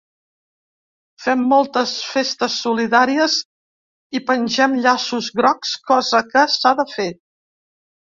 Fem moltes festes solidàries, i pengem llaços grocs, cosa que s’ha de fer.